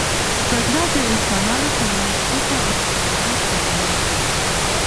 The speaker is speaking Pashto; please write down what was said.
جګړه د انسانانو ترمنځ کرکه او تفرقه خپروي.